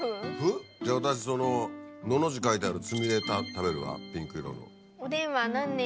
じゃあ私そののの字書いてあるつみれ食べるわピンク色の。